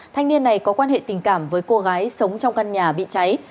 thanh niên này có quan hệ tình cảm với cô gái sống trong căn nhà bị cháy